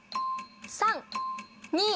３２。